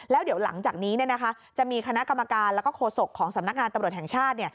แล้วเดี๋ยวหลังจากนี้จะมีคณะกรรมการแล้วก็โฆษกของสำนักงานตำรวจแห่งชาติ